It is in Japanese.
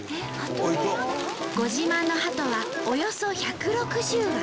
ご自慢のハトはおよそ１６０羽。